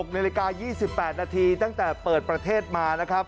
๖นาฬิกา๒๘นาทีตั้งแต่เปิดประเทศมานะครับ